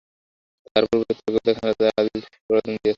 তাঁর পূর্বে তাঁর একটি কবিতার খাতা অজিত আমাকে পড়বার জন্যে দিয়েছিলেন।